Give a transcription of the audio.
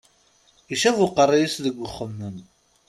Icab uqeṛṛuy-is deg uxemmem.